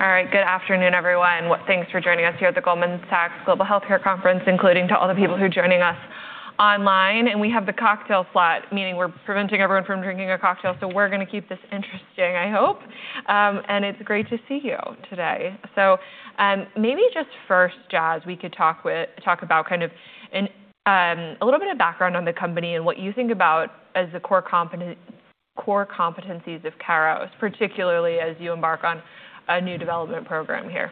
Good afternoon, everyone. Thanks for joining us here at the Goldman Sachs Global Healthcare Conference, including to all the people who are joining us online. We have the cocktail slot, meaning we're preventing everyone from drinking a cocktail, we're going to keep this interesting, I hope. It's great to see you today. Maybe just first, Jas, we could talk about a little bit of background on the company and what you think about as the core competencies of Keros, particularly as you embark on a new development program here.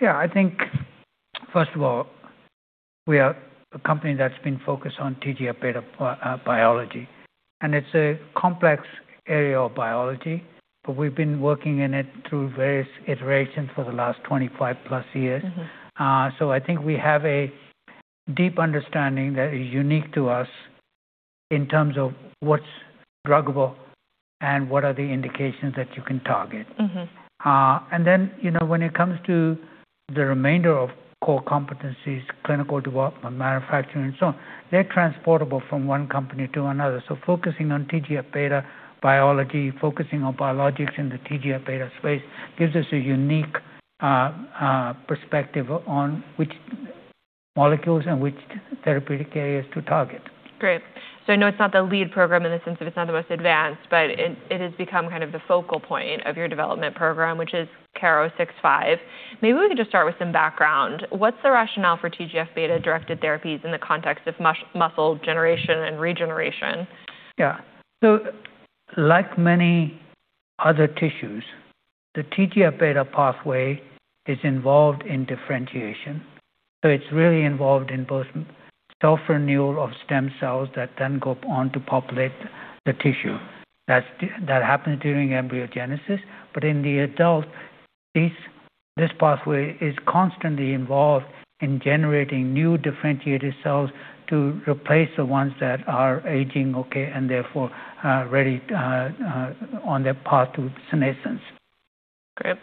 Yeah. I think, first of all, we are a company that's been focused on TGF-beta biology, it's a complex area of biology, we've been working in it through various iterations for the last 25 plus years. I think we have a deep understanding that is unique to us in terms of what's druggable and what are the indications that you can target. When it comes to the remainder of core competencies, clinical development, manufacturing, and so on, they're transportable from one company to another. Focusing on TGF-beta biology, focusing on biologics in the TGF-beta space gives us a unique perspective on which molecules and which therapeutic areas to target. Great. I know it's not the lead program in the sense of it's not the most advanced, but it has become kind of the focal point of your development program, which is KER-065. Maybe we could just start with some background. What's the rationale for TGF-beta-directed therapies in the context of muscle generation and regeneration? Yeah. Like many other tissues, the TGF-beta pathway is involved in differentiation. It's really involved in both self-renewal of stem cells that then go on to populate the tissue. That happens during embryogenesis, but in the adult, this pathway is constantly involved in generating new differentiated cells to replace the ones that are aging, okay, and therefore are already on their path to senescence. Great.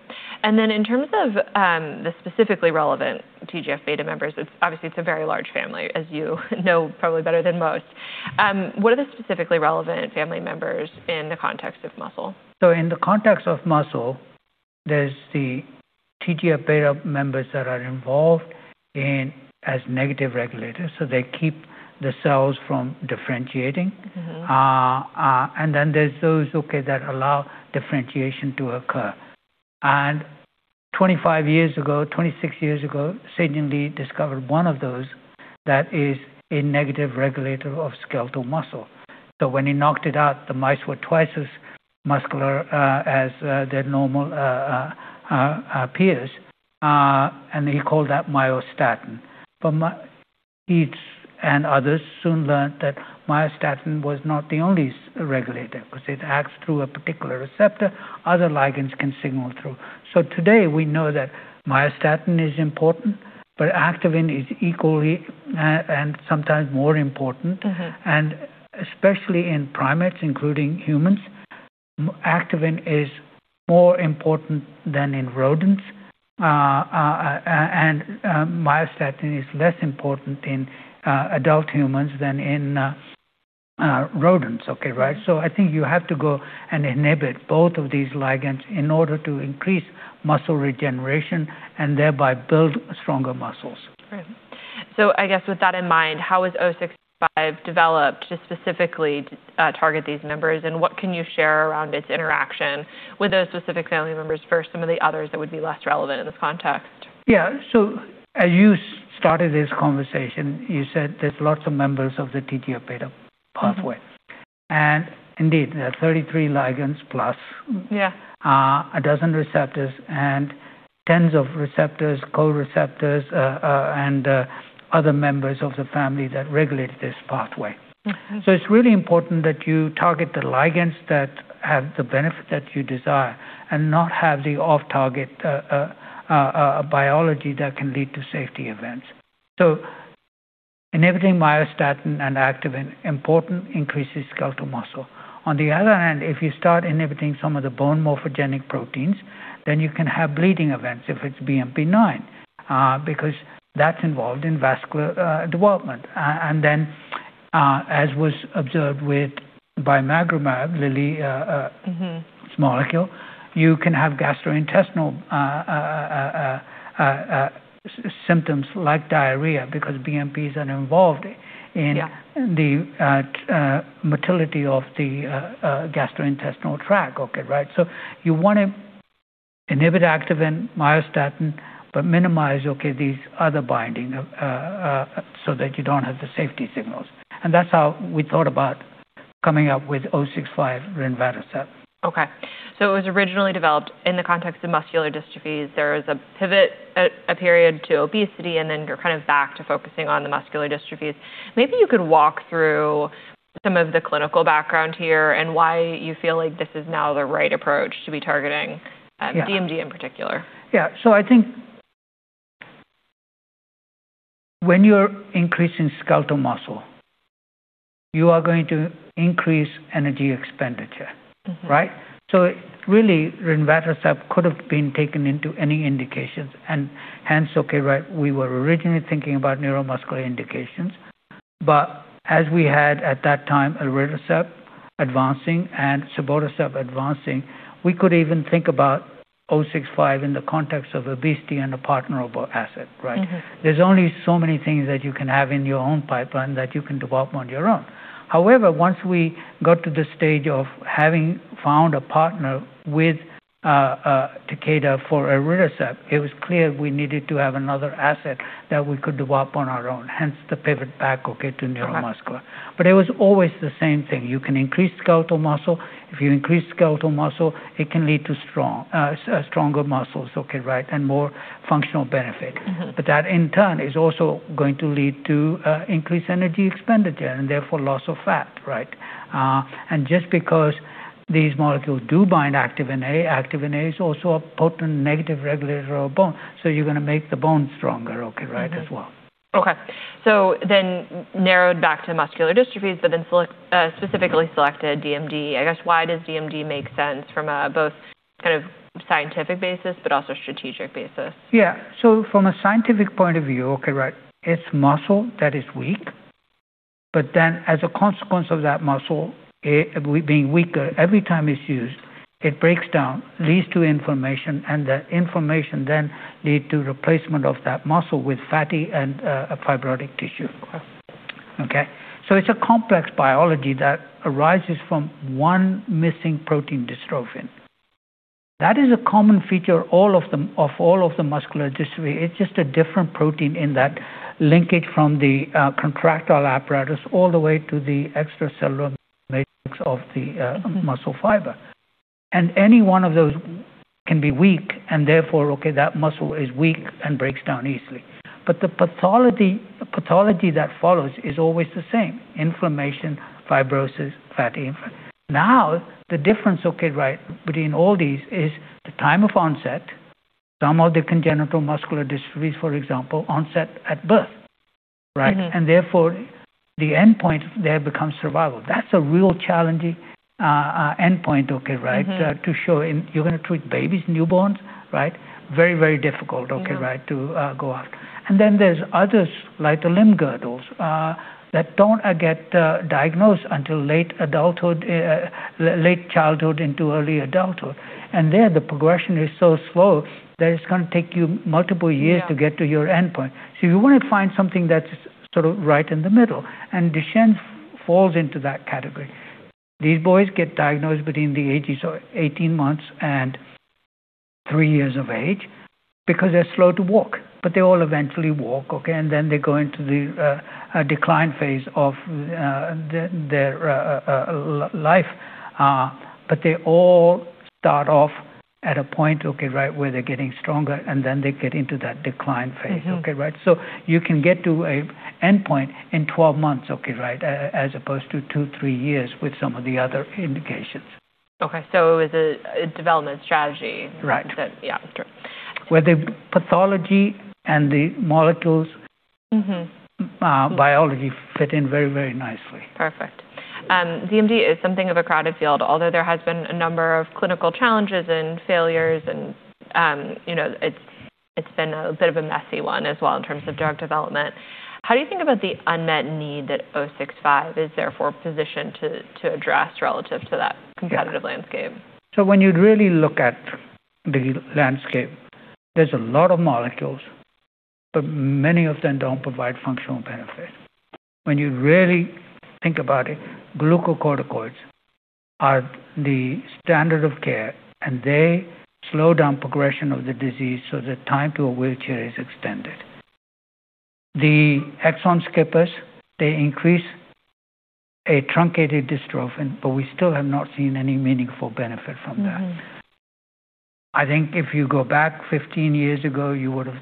Then in terms of the specifically relevant TGF-beta members, obviously it's a very large family, as you know, probably better than most. What are the specifically relevant family members in the context of muscle? In the context of muscle, there's the TGF-beta members that are involved in as negative regulators. They keep the cells from differentiating. Then there's those, okay, that allow differentiation to occur. 25 years ago, 26 years ago, Se-Jin Lee discovered one of those that is a negative regulator of skeletal muscle. When he knocked it out, the mice were twice as muscular as their normal peers. He called that myostatin. He and others soon learned that myostatin was not the only regulator, because it acts through a particular receptor other ligands can signal through. Today, we know that myostatin is important, but activin is equally and sometimes more important. Especially in primates, including humans, activin is more important than in rodents. Myostatin is less important in adult humans than in rodents. Okay, right? I think you have to go and inhibit both of these ligands in order to increase muscle regeneration and thereby build stronger muscles. Right. I guess with that in mind, how was 065 developed to specifically target these members, and what can you share around its interaction with those specific family members versus some of the others that would be less relevant in this context? Yeah. As you started this conversation, you said there's lots of members of the TGF-beta pathway. Indeed, there are 33 ligands plus- Yeah a dozen receptors and tens of receptors, co-receptors, and other members of the family that regulate this pathway. It's really important that you target the ligands that have the benefit that you desire and not have the off-target biology that can lead to safety events. inhibiting myostatin and activin important increases skeletal muscle. On the other hand, if you start inhibiting some of the bone morphogenetic proteins, then you can have bleeding events if it's BMP9, because that's involved in vascular development. then, as was observed with bimagrumab, Lilly- small molecule, you can have gastrointestinal symptoms like diarrhea because BMPs are involved in- Yeah the motility of the gastrointestinal tract, right? You want to inhibit activin, myostatin, but minimize these other binding so that you don't have the safety signals. That's how we thought about coming up with 065, rinvatercept. It was originally developed in the context of muscular dystrophies. There was a pivot to obesity, then you're kind of back to focusing on the muscular dystrophies. Maybe you could walk through some of the clinical background here and why you feel like this is now the right approach to be targeting- Yeah DMD in particular. Yeah. I think when you're increasing skeletal muscle, you are going to increase energy expenditure, right? Really, rinvatercept could have been taken into any indications and hence, okay, right, we were originally thinking about neuromuscular indications. But as we had, at that time, elritercept advancing and cibotercept advancing, we could even think about KER-065 in the context of obesity and a partnerable asset, right? There's only so many things that you can have in your own pipeline that you can develop on your own. However, once we got to the stage of having found a partner with Takeda for elritercept, it was clear we needed to have another asset that we could develop on our own, hence the pivot back to neuromuscular. It was always the same thing. You can increase skeletal muscle. If you increase skeletal muscle, it can lead to stronger muscles and more functional benefit. That, in turn, is also going to lead to increased energy expenditure and therefore loss of fat. Just because these molecules do bind activin A, activin A is also a potent negative regulator of bone. You're going to make the bone stronger, okay? Right, as well. Okay. Narrowed back to the muscular dystrophies, specifically selected DMD. I guess, why does DMD make sense from both kind of scientific basis, but also strategic basis? Yeah. From a scientific point of view, it's muscle that is weak, as a consequence of that muscle being weaker, every time it's used, it breaks down, leads to inflammation, and that inflammation then lead to replacement of that muscle with fatty and fibrotic tissue. Okay. Okay? It's a complex biology that arises from one missing protein dystrophin. That is a common feature of all of the muscular dystrophy. It's just a different protein in that linkage from the contractile apparatus all the way to the extracellular matrix of the muscle fiber. Any one of those can be weak, therefore, okay, that muscle is weak and breaks down easily. The pathology that follows is always the same: inflammation, fibrosis, fatty infiltration. Now, the difference between all these is the time of onset. Some of the congenital muscular dystrophies, for example, onset at birth, right? Therefore, the endpoint there becomes survival. That's a real challenging endpoint to show, and you're going to treat babies, newborns? Right. Very difficult to go after. Then there's others, like the limb girdles, that don't get diagnosed until late childhood into early adulthood. There, the progression is so slow that it's going to take you multiple years- Yeah to get to your endpoint. You want to find something that's sort of right in the middle, Duchenne falls into that category. These boys get diagnosed between the ages of 18 months and three years of age because they're slow to walk, they all eventually walk, okay, they go into the decline phase of their life. They all start off at a point where they're getting stronger, they get into that decline phase. Okay? You can get to an endpoint in 12 months as opposed to two, three years with some of the other indications. Okay. It was a development strategy. Right. Yeah. Sure. Where the pathology and the biology fit in very nicely. Perfect. DMD is something of a crowded field, although there has been a number of clinical challenges and failures, it's been a bit of a messy one as well in terms of drug development. How do you think about the unmet need that KER-065 is therefore positioned to address relative to that competitive landscape? When you really look at the landscape, there's a lot of molecules, many of them don't provide functional benefit. When you really think about it, glucocorticoids are the standard of care, they slow down progression of the disease, the time to a wheelchair is extended. The exon skipping, they increase a truncated dystrophin, we still have not seen any meaningful benefit from that. I think if you go back 15 years ago, you would've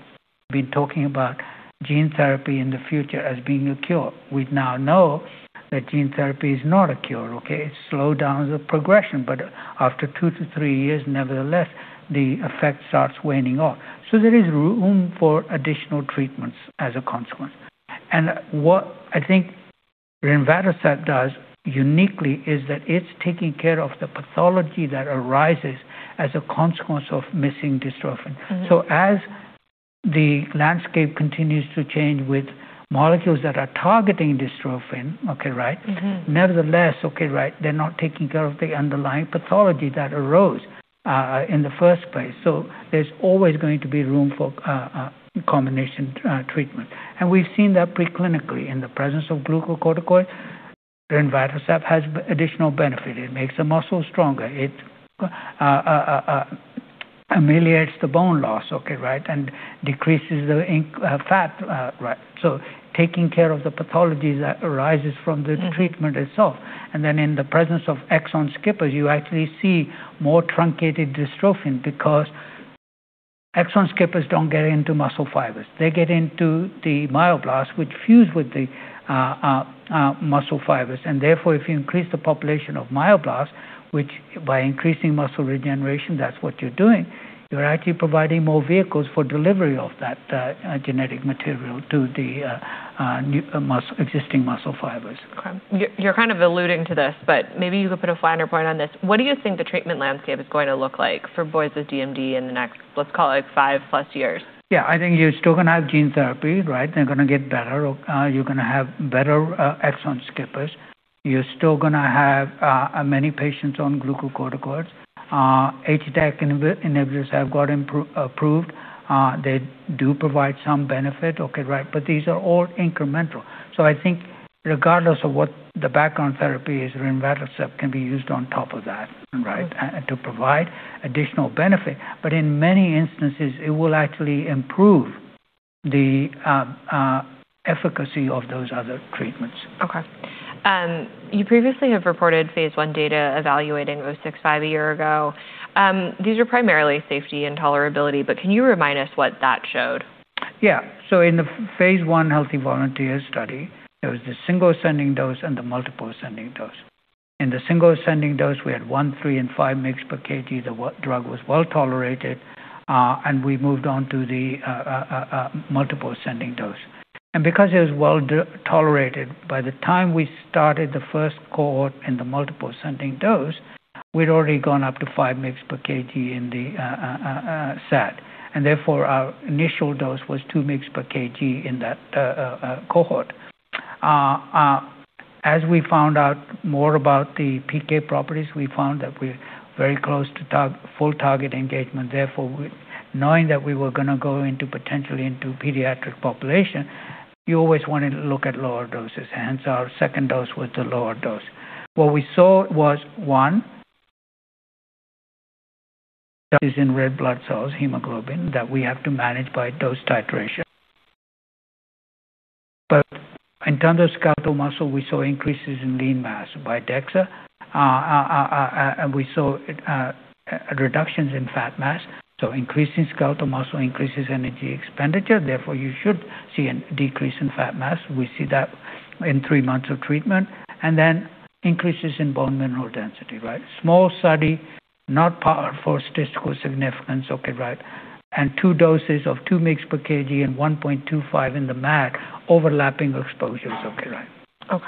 been talking about gene therapy in the future as being a cure. We now know that gene therapy is not a cure, okay? It slow downs the progression, but after two to three years, nevertheless, the effect starts waning off. There is room for additional treatments as a consequence. What I think rinvatercept does uniquely is that it's taking care of the pathology that arises as a consequence of missing dystrophin. As the landscape continues to change with molecules that are targeting dystrophin, okay. Nevertheless, they're not taking care of the underlying pathology that arose in the first place. There's always going to be room for combination treatment. We've seen that pre-clinically. In the presence of glucocorticoid, rinvatercept has additional benefit. It makes the muscle stronger. It ameliorates the bone loss, okay, and decreases the fat. Taking care of the pathologies that arises from the treatment itself. In the presence of exon skipping, you actually see more truncated dystrophin because exon skipping don't get into muscle fibers. They get into the myoblasts, which fuse with the muscle fibers, and therefore, if you increase the population of myoblasts, which by increasing muscle regeneration, that's what you're doing. You're actually providing more vehicles for delivery of that genetic material to the existing muscle fibers. Okay. You're kind of alluding to this, maybe you could put a finer point on this. What do you think the treatment landscape is going to look like for boys with DMD in the next, let's call it five plus years? I think you're still going to have gene therapy, right? They're going to get better. You're going to have better exon skipping. You're still going to have many patients on glucocorticoids. HDAC inhibitors have got approved. They do provide some benefit, okay. These are all incremental. I think regardless of what the background therapy is, rinvatercept can be used on top of that to provide additional benefit. In many instances, it will actually improve the efficacy of those other treatments. You previously have reported phase I data evaluating KER-065 a year ago. These are primarily safety and tolerability, but can you remind us what that showed? In the phase I healthy volunteer study, there was the single ascending dose and the multiple ascending dose. In the single ascending dose, we had 1 mg/kg, 3 mg/kg, and 5 mg/kg. The drug was well-tolerated, and we moved on to the multiple ascending dose. Because it was well-tolerated, by the time we started the first cohort in the multiple ascending dose, we'd already gone up to 5 mg/kg in the SAD, and therefore our initial dose was 2 mg/kg in that cohort. As we found out more about the PK properties, we found that we're very close to full target engagement. Knowing that we were going to go potentially into pediatric population, you always wanted to look at lower doses, hence our second dose was the lower dose. What we saw was one, is in red blood cells, hemoglobin that we have to manage by dose titration. In terms of skeletal muscle, we saw increases in lean mass by DEXA, and we saw reductions in fat mass. Increasing skeletal muscle increases energy expenditure, therefore you should see a decrease in fat mass. We see that in three months of treatment. Increases in bone mineral density. Small study, not powered for statistical significance, okay. Two doses of 2 mg/kg and 1.25 mg/kg in the MAD, overlapping exposures. Okay, right.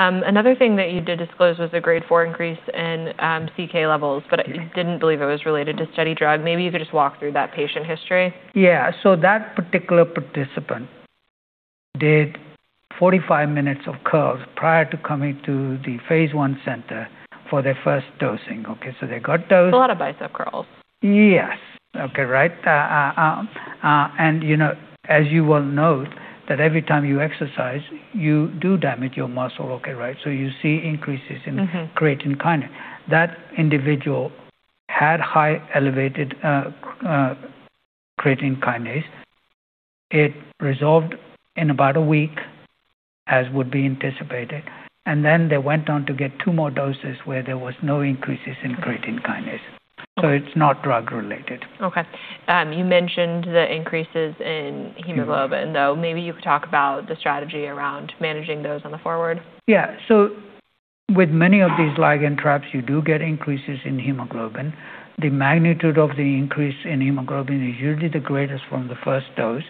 Another thing that you did disclose was a grade four increase in CK levels, but you didn't believe it was related to study drug. Maybe you could just walk through that patient history. That particular participant did 45 minutes of curls prior to coming to the phase I center for their first dosing, okay. They got dosed. That's a lot of bicep curls. Yes. Okay, right. As you will note that every time you exercise, you do damage your muscle, okay. You see increases in creatine kinase. That individual had high elevated creatine kinase. It resolved in about a week, as would be anticipated, and then they went on to get two more doses where there was no increases in creatine kinase. Okay. It's not drug related. Okay. You mentioned the increases in hemoglobin, though. Maybe you could talk about the strategy around managing those on the forward. Yeah. With many of these ligand traps, you do get increases in hemoglobin. The magnitude of the increase in hemoglobin is usually the greatest from the first dose.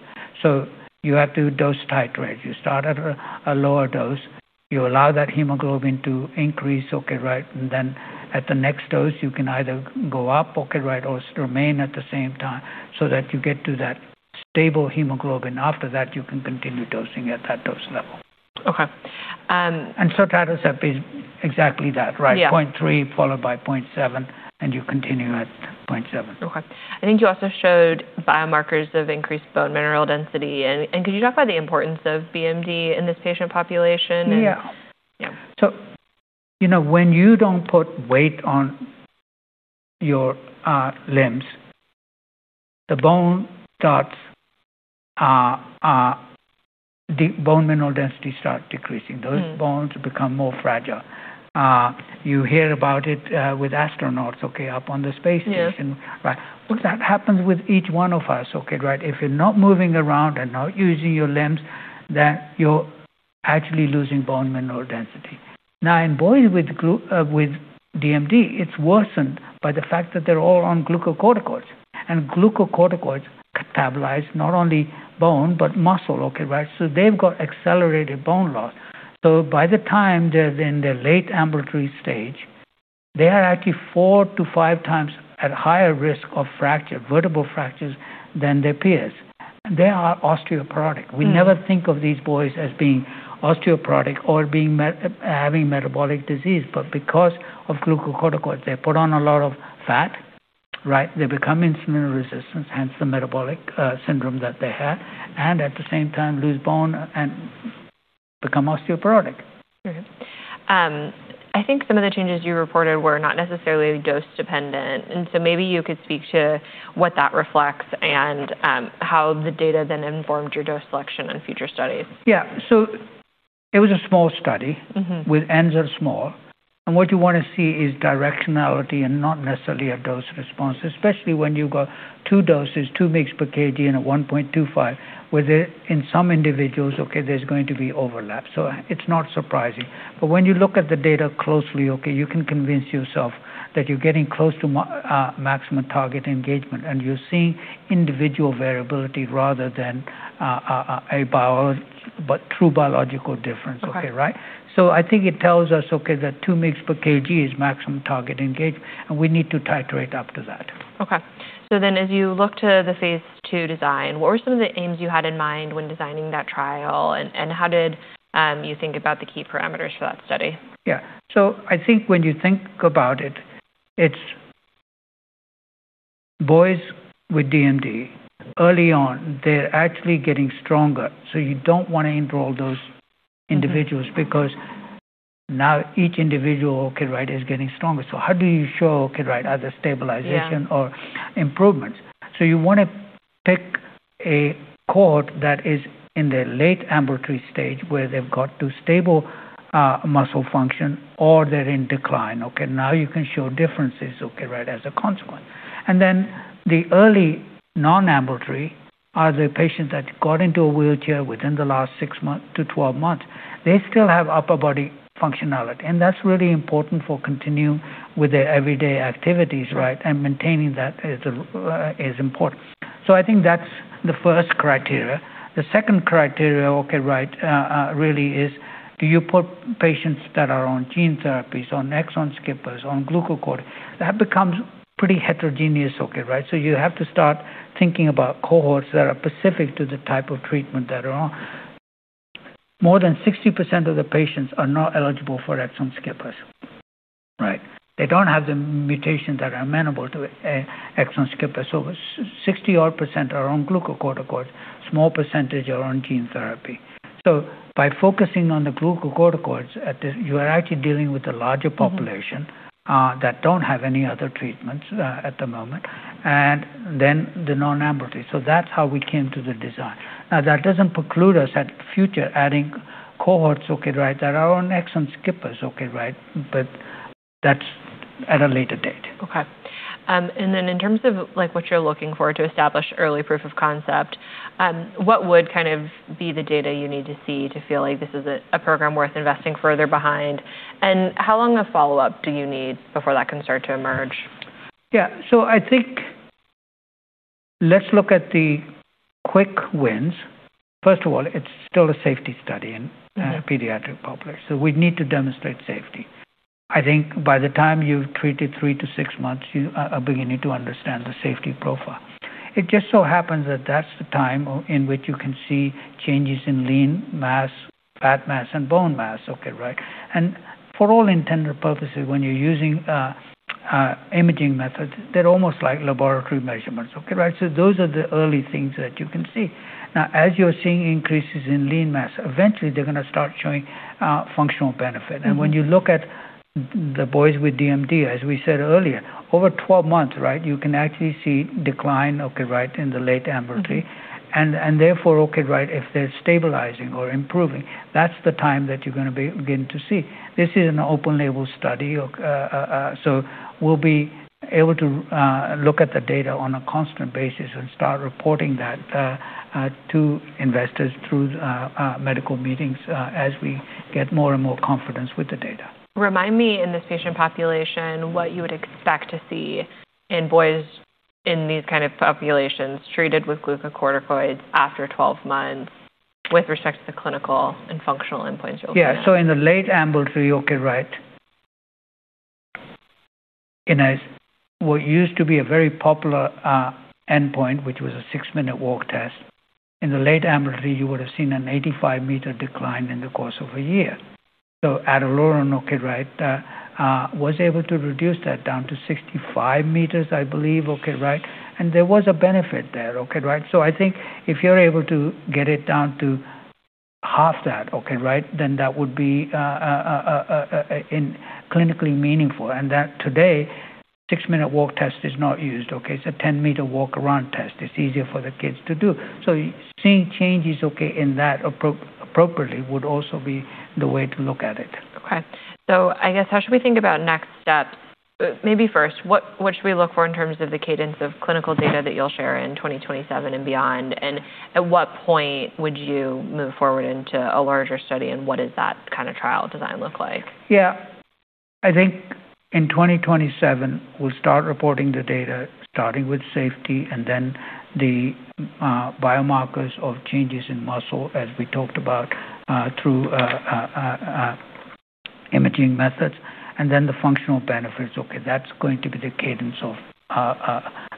You have to dose titrate. You start at a lower dose. You allow that hemoglobin to increase. At the next dose, you can either go up, or remain at the same time so that you get to that stable hemoglobin. After that, you can continue dosing at that dose level. Okay. That has been exactly that, right? Yeah. 0.3 followed by 0.7, you continue at 0.7. Okay. I think you also showed biomarkers of increased bone mineral density. Could you talk about the importance of BMD in this patient population? Yeah. Yeah. When you don't put weight on your limbs, the bone mineral density start decreasing. Those bones become more fragile. You hear about it with astronauts, okay, up on the space station. Yeah. That happens with each one of us, okay. If you're not moving around and not using your limbs, then you're actually losing bone mineral density. In boys with DMD, it's worsened by the fact that they're all on glucocorticoids. Glucocorticoids catabolize not only bone, but muscle, okay. They've got accelerated bone loss. By the time they're in their late ambulatory stage, they are actually 4x to 5x at higher risk of vertebral fractures than their peers. They are osteoporotic. We never think of these boys as being osteoporotic or having metabolic disease, because of glucocorticoids, they put on a lot of fat, right? They become insulin resistance, hence the metabolic syndrome that they have, and at the same time, lose bone and become osteoporotic. Okay. I think some of the changes you reported were not necessarily dose-dependent. Maybe you could speak to what that reflects and how the data then informed your dose selection in future studies. Yeah. It was a small study. with Ns that are small. What you want to see is directionality and not necessarily a dose response, especially when you've got two doses, 2 mg/kg and a 1.25 mg/kg, where in some individuals, okay, there's going to be overlap. It's not surprising. When you look at the data closely, okay, you can convince yourself that you're getting close to maximum target engagement, and you're seeing individual variability rather than a true biological difference. Okay. Okay, right. I think it tells us, okay, that 2 mg/kg is maximum target engagement, and we need to titrate up to that. Okay. As you look to the phase II design, what were some of the aims you had in mind when designing that trial, and how did you think about the key parameters for that study? Yeah. I think when you think about it's boys with DMD. Early on, they're actually getting stronger, you don't want to enroll those individuals because now each individual is getting stronger. How do you show other stabilization- Yeah or improvements? You want to pick a cohort that is in the late ambulatory stage, where they've got to stable muscle function, or they're in decline. Okay. You can show differences as a consequence. The early non-ambulatory are the patients that got into a wheelchair within the last 6-12 months. They still have upper body functionality, and that's really important for continuing with their everyday activities, and maintaining that is important. I think that's the first criteria. The second criteria really is do you put patients that are on gene therapies, on exon skipping, on glucocorticoids. That becomes pretty heterogeneous. You have to start thinking about cohorts that are specific to the type of treatment that are on. More than 60% of the patients are not eligible for exon skipping. They don't have the mutations that are amenable to exon skipping. 60 odd percent are on glucocorticoids. Small percentage are on gene therapy. By focusing on the glucocorticoids, you are actually dealing with a larger population that don't have any other treatments at the moment, and then the non-ambulatory. That's how we came to the design. That doesn't preclude us at future adding cohorts that are on exon skipping. That's at a later date. Okay. In terms of what you're looking for to establish early proof of concept, what would be the data you need to see to feel like this is a program worth investing further behind? How long a follow-up do you need before that can start to emerge? Yeah. I think let's look at the quick wins. First of all, it's still a safety study in pediatric population. We need to demonstrate safety. I think by the time you've treated three to six months, you are beginning to understand the safety profile. It just so happens that that's the time in which you can see changes in lean mass, fat mass, and bone mass. Okay, right. For all intents and purposes, when you're using imaging methods, they're almost like laboratory measurements. Those are the early things that you can see. As you're seeing increases in lean mass, eventually they're going to start showing functional benefit. When you look at the boys with DMD, as we said earlier, over 12 months, you can actually see decline in the late ambulatory, and therefore, if they're stabilizing or improving, that's the time that you're going to begin to see. This is an open-label study, we'll be able to look at the data on a constant basis and start reporting that to investors through medical meetings as we get more and more confidence with the data. Remind me, in this patient population, what you would expect to see in boys in these kind of populations treated with glucocorticoids after 12 months with respect to the clinical and functional endpoints you're looking at. Yeah. In the late ambulatory, in what used to be a very popular endpoint, which was a six-minute walk test, in the late ambulatory, you would have seen an 85-m decline in the course of a year. Ataluren was able to reduce that down to 65 m, I believe. There was a benefit there. I think if you're able to get it down to half that would be clinically meaningful, and that today six-minute walk test is not used. It's a 10-m walk around test. It's easier for the kids to do. Seeing changes in that appropriately would also be the way to look at it. Okay. I guess, as we think about next steps, maybe first, what should we look for in terms of the cadence of clinical data that you'll share in 2027 and beyond? At what point would you move forward into a larger study, and what does that kind of trial design look like? Yeah. I think in 2027 we'll start reporting the data, starting with safety and then the biomarkers of changes in muscle, as we talked about, through imaging methods, and then the functional benefits. That's going to be the cadence of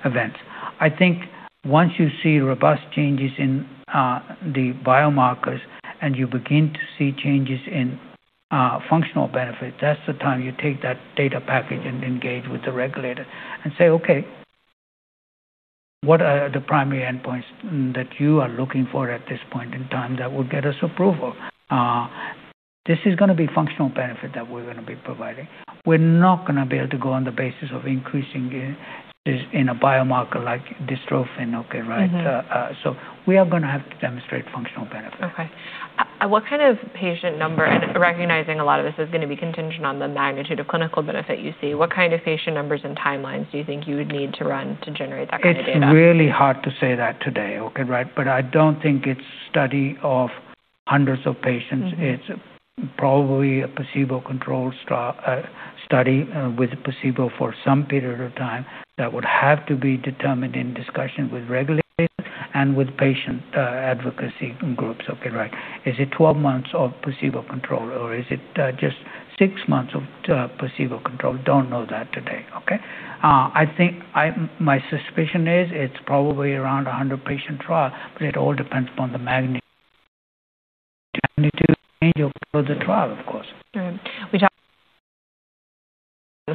events. I think once you see robust changes in the biomarkers and you begin to see changes in functional benefits, that's the time you take that data package and engage with the regulator and say, "Okay, what are the primary endpoints that you are looking for at this point in time that will get us approval?" This is going to be functional benefit that we're going to be providing. We're not going to be able to go on the basis of increasing in a biomarker like dystrophin. We are going to have to demonstrate functional benefit. Okay. What kind of patient number, and recognizing a lot of this is going to be contingent on the magnitude of clinical benefit you see, what kind of patient numbers and timelines do you think you would need to run to generate that kind of data? It's really hard to say that today. I don't think it's study of hundreds of patients. It's probably a placebo-controlled study with placebo for some period of time that would have to be determined in discussion with regulators and with patient advocacy groups. Is it 12 months of placebo control, or is it just six months of placebo control? Don't know that today. My suspicion is it's probably around a 100-patient trial, but it all depends upon the magnitude of the trial, of course. Right. We talked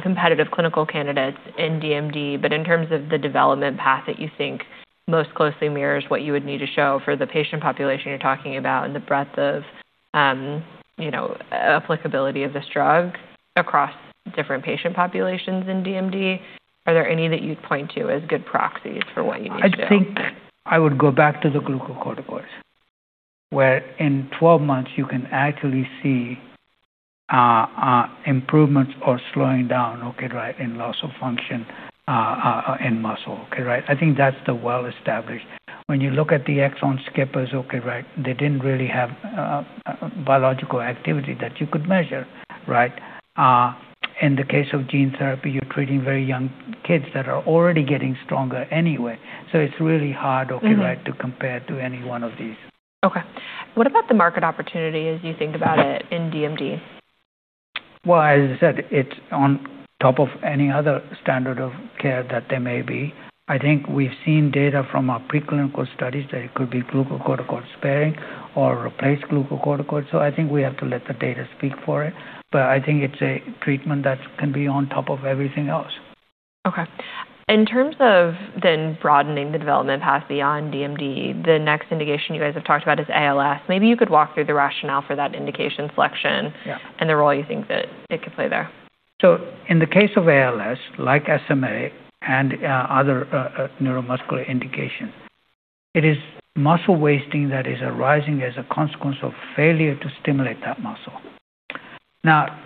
competitive clinical candidates in DMD. In terms of the development path that you think most closely mirrors what you would need to show for the patient population you're talking about and the breadth of applicability of this drug across different patient populations in DMD, are there any that you'd point to as good proxies for what you need to do? I think I would go back to the glucocorticoids, where in 12 months you can actually see improvements or slowing down in loss of function and muscle. I think that's the well-established. When you look at the exon skipping they didn't really have biological activity that you could measure. In the case of gene therapy, you're treating very young kids that are already getting stronger anyway. It's really hard to compare to any one of these. Okay. What about the market opportunity as you think about it in DMD? As I said, it's on top of any other standard of care that there may be. I think we've seen data from our preclinical studies that it could be glucocorticoid sparing or replace glucocorticoid. I think we have to let the data speak for it. I think it's a treatment that can be on top of everything else. In terms of then broadening the development path beyond DMD, the next indication you guys have talked about is ALS. Maybe you could walk through the rationale for that indication selection- Yeah The role you think that it could play there. In the case of ALS, like SMA and other neuromuscular indications, it is muscle wasting that is arising as a consequence of failure to stimulate that muscle. Now,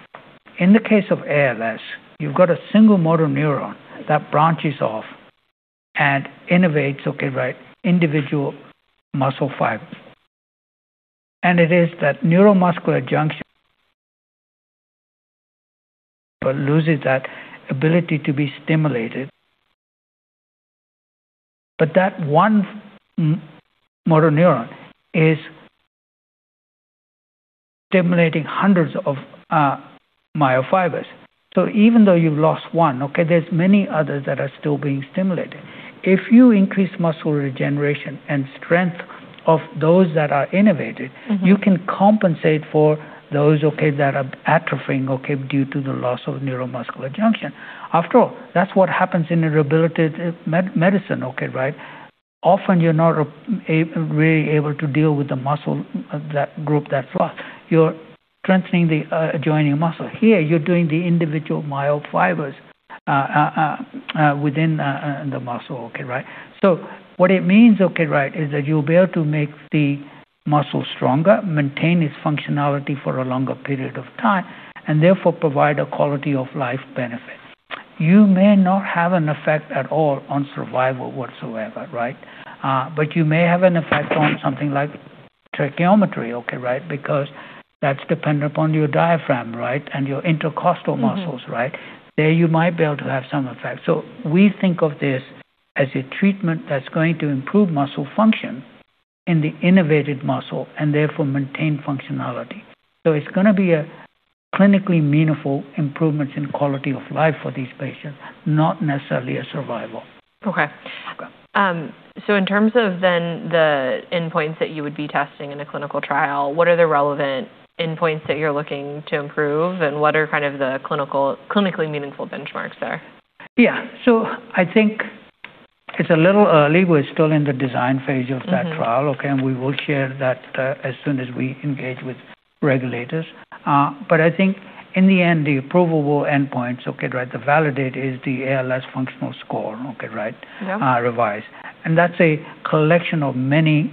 in the case of ALS, you've got a single motor neuron that branches off and innervates individual muscle fibers. It is that neuromuscular junction loses that ability to be stimulated. That one motor neuron is stimulating hundreds of myofibers. Even though you've lost one, there's many others that are still being stimulated. If you increase muscle regeneration and strength of those that are innervated- You can compensate for those that are atrophying due to the loss of neuromuscular junction. After all, that's what happens in rehabilitative medicine. Often, you're not really able to deal with the muscle group that's lost. You're strengthening the adjoining muscle. Here, you're doing the individual myofibers within the muscle. What it means is that you'll be able to make the muscle stronger, maintain its functionality for a longer period of time, and therefore provide a quality of life benefit. You may not have an effect at all on survival whatsoever. You may have an effect on something like tracheostomy, because that's dependent upon your diaphragm, and your intercostal muscles. There, you might be able to have some effect. We think of this as a treatment that's going to improve muscle function in the innervated muscle and therefore maintain functionality. It's going to be a clinically meaningful improvements in quality of life for these patients, not necessarily a survival. Okay. Okay. In terms of then the endpoints that you would be testing in a clinical trial, what are the relevant endpoints that you're looking to improve, and what are kind of the clinically meaningful benchmarks there? Yeah. I think it's a little early. We're still in the design phase of that trial. We will share that as soon as we engage with regulators. I think in the end, the approvable endpoints, the validator is the ALS Functional Rating Scale-Revised. Yeah. That's a collection of many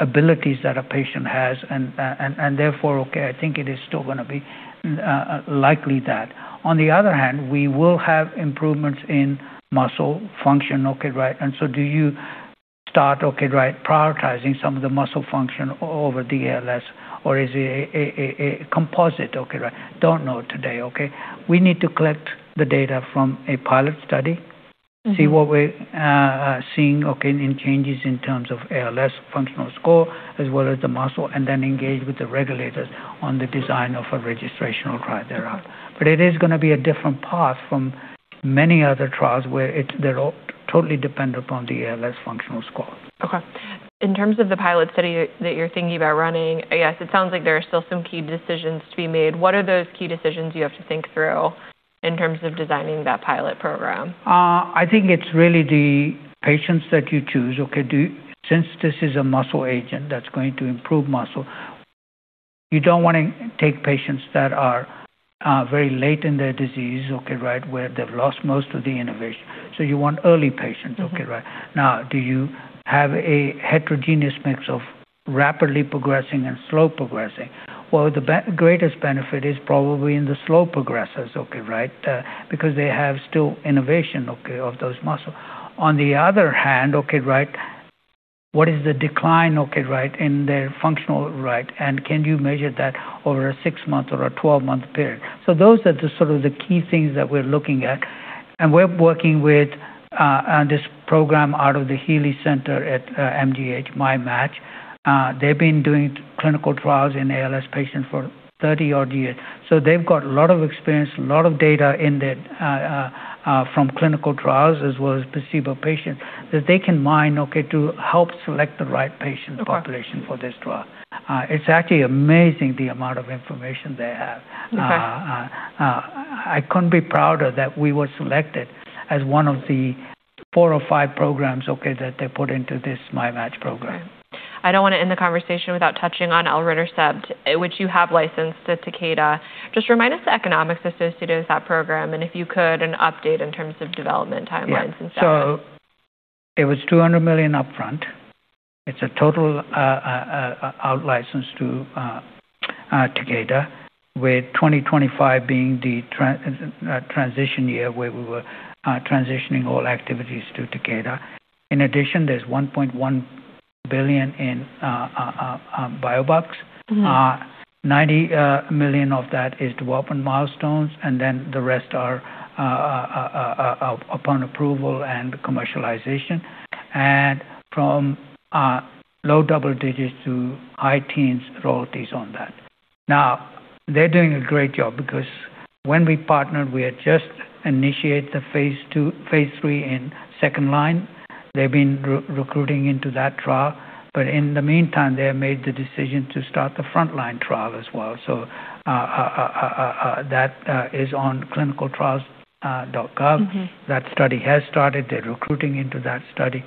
abilities that a patient has. Therefore, I think it is still going to be likely that. On the other hand, we will have improvements in muscle function. Do you start prioritizing some of the muscle function over the ALS, or is it a composite? Don't know today. We need to collect the data from a pilot study. see what we're seeing, any changes in terms of ALS Functional Rating Scale-Revised as well as the muscle, then engage with the regulators on the design of a registrational trial thereafter. It is going to be a different path from many other trials where they're totally dependent upon the ALS Functional Rating Scale-Revised. Okay. In terms of the pilot study that you're thinking about running, I guess it sounds like there are still some key decisions to be made. What are those key decisions you have to think through in terms of designing that pilot program? I think it's really the patients that you choose. Since this is a muscle agent that's going to improve muscle, you don't want to take patients that are very late in their disease, where they've lost most of the innervation. You want early patients. Do you have a heterogeneous mix of rapidly progressing and slow progressing? The greatest benefit is probably in the slow progressers, because they have still innervation of those muscle. On the other hand, what is the decline in their functional, and can you measure that over a six-month or a 12-month period? Those are the sort of the key things that we're looking at. We're working with this program out of the Healey Center at MGH, MyMatch. They've been doing clinical trials in ALS patients for 30-odd years. They've got a lot of experience, a lot of data from clinical trials as well as placebo patients that they can mine to help select the right patient population for this trial. It's actually amazing the amount of information they have. Okay. I couldn't be prouder that we were selected as one of the four or five programs that they put into this MyMatch program. I don't want to end the conversation without touching on elritercept, which you have licensed to Takeda. Just remind us the economics associated with that program, and if you could, an update in terms of development timelines and such. Yeah. It was $200 million up front. It's a total outlicense to Takeda, with 2025 being the transition year, where we were transitioning all activities to Takeda. In addition, there's $1.1 billion in biobucks. $90 million of that is development milestones, then the rest are upon approval and commercialization. From low double digits to high teens royalties on that. They're doing a great job because when we partnered, we had just initiated the phase II, phase III in second line. They've been recruiting into that trial. In the meantime, they have made the decision to start the front-line trial as well. That is on clinicaltrials.gov. That study has started. They're recruiting into that study.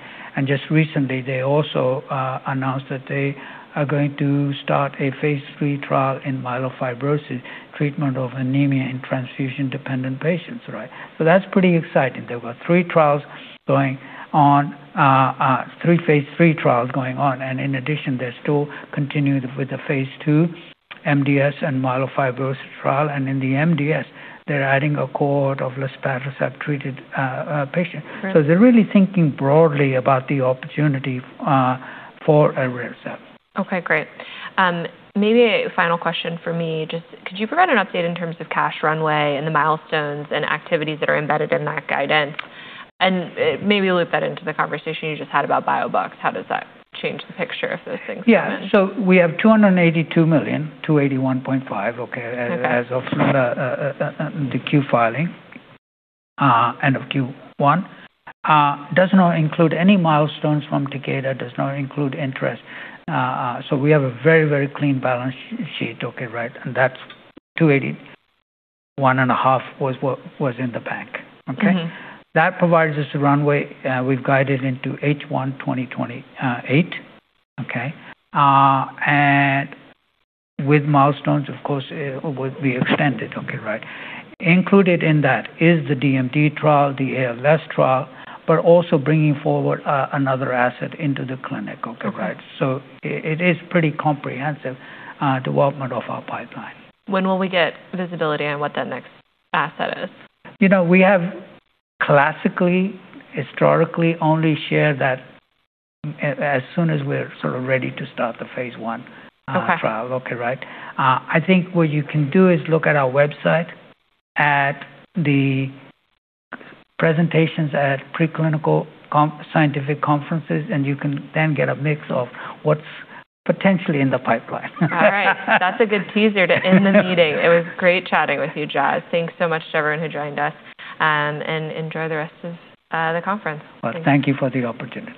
Just recently, they also announced that they are going to start a phase III trial in myelofibrosis, treatment of anemia in transfusion-dependent patients. That's pretty exciting. There were three phase III trials going on, in addition, they're still continuing with the phase II MDS and myelofibrosis trial. In the MDS, they're adding a cohort of luspatercept-treated patients. Great. They're really thinking broadly about the opportunity for elritercept. Okay, great. Maybe a final question from me. Just could you provide an update in terms of cash runway and the milestones and activities that are embedded in that guidance? Maybe loop that into the conversation you just had about biobucks. How does that change the picture if those things happen? Yeah. We have $282 million, $281.5 million. Okay as of the Q filing, end of Q1. Does not include any milestones from Takeda, does not include interest. We have a very, very clean balance sheet, okay? That's $281.5 million was in the bank. Okay? That provides us a runway. We've guided into H1 2028, okay? With milestones, of course, it would be extended. Included in that is the DMD trial, the ALS trial, also bringing forward another asset into the clinic, okay? Okay. It is pretty comprehensive development of our pipeline. When will we get visibility on what that next asset is? We have classically, historically only shared that as soon as we're sort of ready to start the phase I- Okay trial. Okay, right. I think what you can do is look at our website, at the presentations at pre-clinical scientific conferences, and you can then get a mix of what's potentially in the pipeline. All right. That's a good teaser to end the meeting. It was great chatting with you, Jas. Thanks so much to everyone who joined us, and enjoy the rest of the conference. Well, thank you for the opportunity.